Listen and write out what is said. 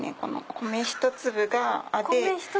米１粒が「あ」。